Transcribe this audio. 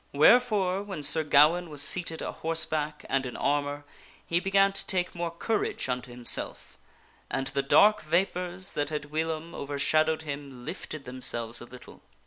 Wherefore, when Sir Gawaine was seated a horseback and in armor, he began to take more courage unto himself, and the dark vapors that had whilom overshadowed him lifted themselves a little.